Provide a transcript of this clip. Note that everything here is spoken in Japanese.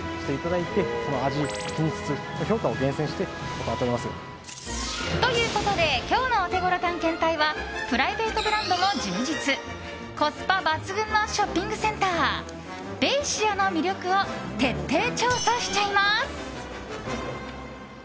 もちろん、ベイシアも。ということで今日のオテゴロ探検隊はプライベートブランドも充実コスパ抜群のショッピングセンターベイシアの魅力を徹底調査しちゃいます！